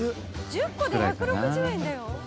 １０個で１６０円だよ。